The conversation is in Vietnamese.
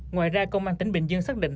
ngoài ra công an tỉnh bình dương xác định